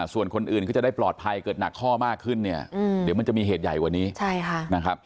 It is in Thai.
ส่วนคนอื่นก็จะได้ปลอดภัยเกิดหนักข้อมากขึ้นเนี่ยเดี๋ยวมันจะมีเหตุใหญ่กว่านี้นะครับ